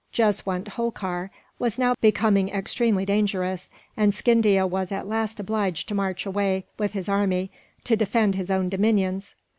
Jeswunt Holkar was now becoming extremely dangerous; and Scindia was at last obliged to march away, with his army, to defend his own dominions.